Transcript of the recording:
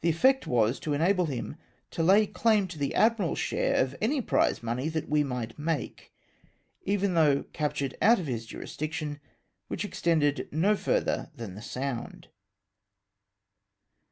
The effect was, to enable him to lay claim to the admiral's share of any prize money that we might make, even though captured out of his jurisdiction, which extended no further than the Sound. 172 OEDERS OF THE PALLAS EMBARGOED.